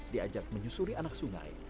diajak menyusuri anak sungai